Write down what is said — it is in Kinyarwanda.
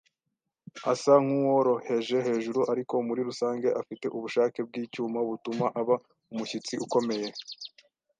Asa nkuworoheje hejuru, ariko muri rusange afite ubushake bwicyuma butuma aba umushyitsi ukomeye.